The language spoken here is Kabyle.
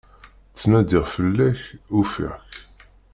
Ttnadiɣ fell-ak, ufiɣ-k.